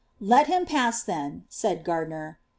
^ Let him paaa, then,'' aaid OanUner.